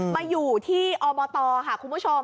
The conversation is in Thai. มาอยู่ที่อบตค่ะคุณผู้ชม